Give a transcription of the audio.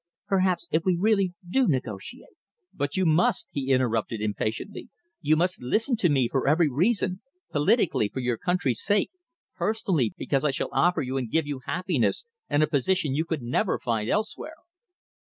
Perhaps, if we really do negotiate " "But you must!" he interrupted impatiently. "You must listen to me for every reason politically for your country's sake, personally because I shall offer you and give you happiness and a position you could never find elsewhere."